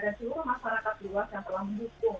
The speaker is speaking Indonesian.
dan semua masyarakat luas yang telah mendukung